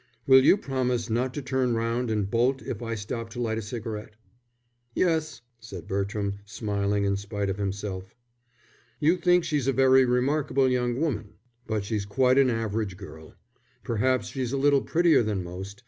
"Will you promise not to turn round and bolt if I stop to light a cigarette?" "Yes," said Bertram, smiling in spite of himself. "You think she's a very remarkable young woman, but she's quite an average girl. Perhaps she's a little prettier than most.